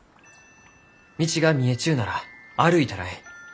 道が見えちゅうなら歩いたらえい。